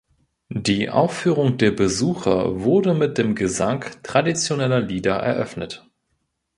Die Aufführung der Besucher wurde mit dem Gesang traditioneller Lieder eröffnet.